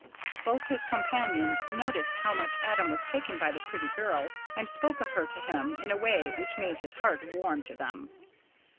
Both his companions noticed how much Adam was taken by the pretty girl, and spoke of her to him in a way which made his heart warm to them.